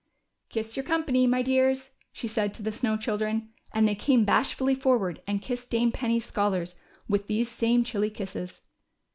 Kiss your company, my dears," she said to the SnoAV Children, and they came bashfully forward and kissed Dame Penny's scholars Avith these same chilly kisses.